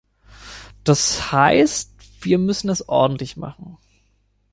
Das heißt, wir müssen es ordentlich machen.